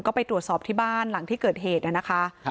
ก็ไปตรวจสอบที่บ้านหลังที่เกิดเหตุนะคะ